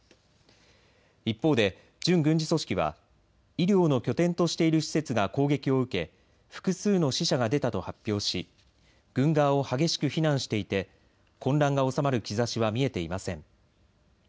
一方で準軍事組織は医療の拠点としている施設が攻撃を受け複数の死者が出たと発表し軍側を激しく非難していて混乱が収まる兆しは見えていません。